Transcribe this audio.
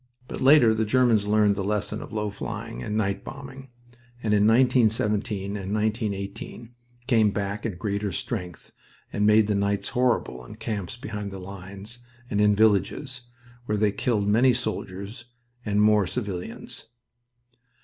But later the Germans learned the lesson of low flying and night bombing, and in 1917 and 1918 came back in greater strength and made the nights horrible in camps behind the lines and in villages, where they killed many soldiers and more civilians.